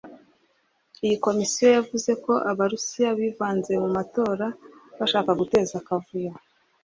Iyi komisiyo yavuze ko Abarusiya bivanze mu matora bashaka guteza akavuyo